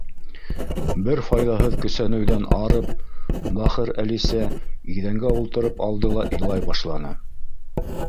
Бер файҙаһыҙ көсәнеүҙән арып, бахыр Әлисә иҙәнгә ултырып алды ла илай башланы.